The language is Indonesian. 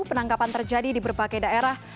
penangkapan terjadi di berbagai daerah